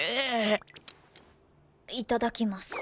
いただきます。